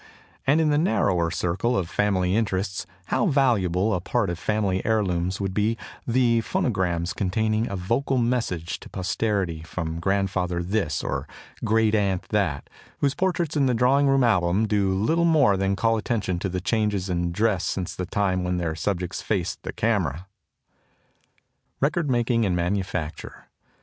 And in the narrower circle of family interests how valuable a part of family heirlooms would be the phonograms containing a vocal message to posterity from Grandfather this, or Great aunt that, whose portraits in the drawing room album do little more than call attention to the changes in dress since the time when their subjects faced the camera! _Record Making and Manufacture.